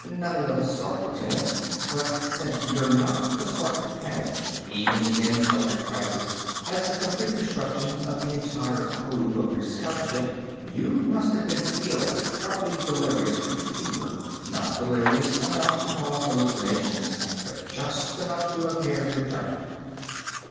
"Nothing of the sort, Lieutenant. But since you're not the sort to panic, even in such a crisis as the complete destruction of the entire crew of your scout ship, you must have been ill partly delirious from fever. Not delirious enough to cause hallucinations, but just enough to impair your judgment."